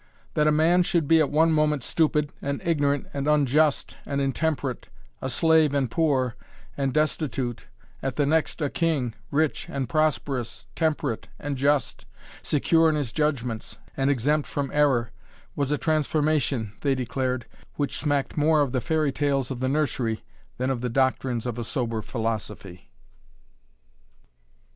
That a man should be at one moment stupid and ignorant and unjust and intemperate, a slave and poor, and destitute, at the next a king, rich, and prosperous, temperate, and just, secure in his judgements and exempt from error, was a transformation, they declared, which smacked more of the fairy tales of the nursery than of the doctrines of a sober philosophy.